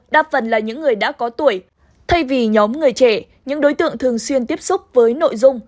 đa phần là những người đã có tuổi thay vì nhóm người trẻ những đối tượng thường xuyên tiếp xúc với nội dung